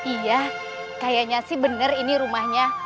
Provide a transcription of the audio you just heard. iya kayaknya sih bener ini rumahnya